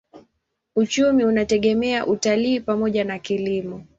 Uchumi unategemea utalii pamoja na kilimo.